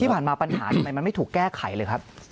ที่ผ่านมาปัญหาทำไมมันไม่ถูกแก้ไขเลยครับ